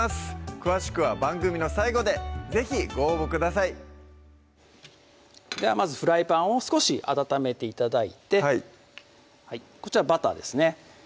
詳しくは番組の最後で是非ご応募くださいではまずフライパンを少し温めて頂いてこちらバターですね